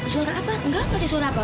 suara apa enggak ada suara apa